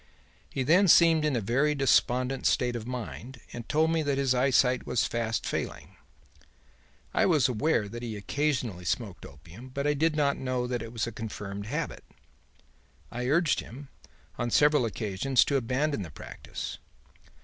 He then seemed in a very despondent state of mind and told me that his eyesight was fast failing. I was aware that he occasionally smoked opium, but I did not know that it was a confirmed habit. I urged him, on several occasions, to abandon the practice.